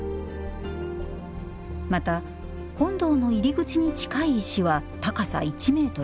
また本堂の入り口に近い石は高さ１メートル。